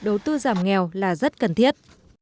đối tư giảm nghèo là rất cần thiết